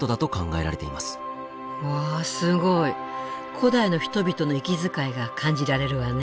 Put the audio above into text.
古代の人々の息遣いが感じられるわね。